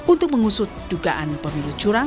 untuk mengusut dugaan pemilu curang